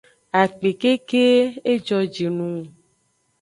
Akpe keke; ejojinung.